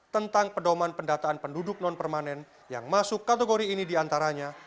tentang pedoman pendataan penduduk non permanen yang masuk kategori ini diantaranya